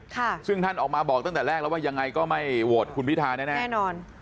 ค่ะซึ่งท่านออกมาบอกตั้งแต่แรกแล้วว่ายังไงก็ไม่โหวตคุณพิธาแน่แน่แน่นอน